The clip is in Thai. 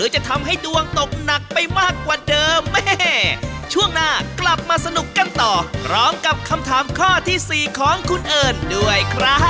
ชอบลิเกมากเลย